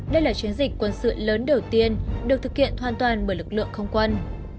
đây là chiến dịch quân sự lớn đầu tiên được thực hiện hoàn toàn bởi lực lượng không quân